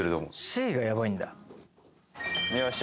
Ｃがヤバいんだよーし